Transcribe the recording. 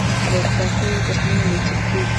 د اصلاح شویو تخمونو ویشل کیږي